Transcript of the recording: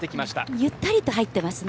ゆったりと入ってますね。